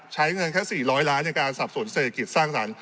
ใช้เงินแค่๔๐๐ล้านในการสับสนเศรษฐกิจสร้างสรรค